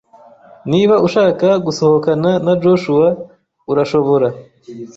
Niba ushaka gusohokana na Joshua, urashobora.